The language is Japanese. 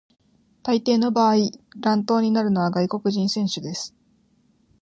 大抵の場合、乱闘になるのは外国人選手です。